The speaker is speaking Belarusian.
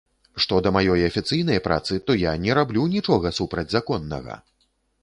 Што да маёй афіцыйнай працы, то я не раблю нічога супрацьзаконнага!